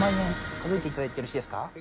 数えていただいてよろしいですか？